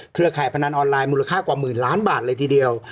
ข่ายพนันออนไลน์มูลค่ากว่าหมื่นล้านบาทเลยทีเดียว